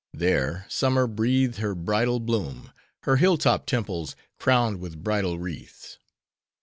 There, summer breathed her bridal bloom; her hill top temples crowned with bridal wreaths.